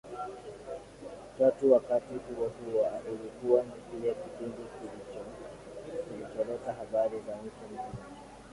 tatu Wakati huohuo ulikuwa pia kipindi kilicholeta habari za nchi mpya kwa